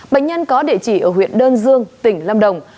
bệnh nhân có địa chỉ ở huyện đơn dương tỉnh lâm đồng